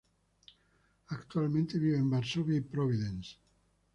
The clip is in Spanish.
Actualmente vive en Varsovia y Providence.